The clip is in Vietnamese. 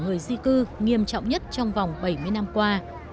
cuộc khủng hoảng người di cư nghiêm trọng nhất trong vòng bảy mươi năm qua